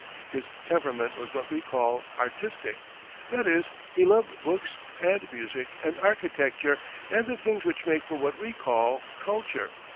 His temperament was what we call "artistic"; that is, he loved books and music and architecture, and the things which make for what we call culture.